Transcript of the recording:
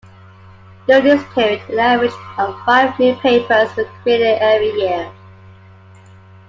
During this period, an average of five new papers were created every year.